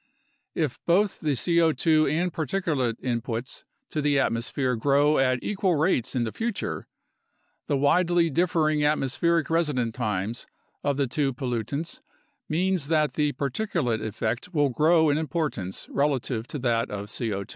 If both the C0 2 and particulate inputs to the atmosphere grow at equal rates in the future, the widely differing atmospheric residence times of the two pollutants means that the particulate effect will grow in importance relative to that of C0 2